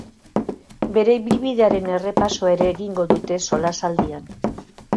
Bere ibilbidearen errepasoa ere egingo dute solasaldian.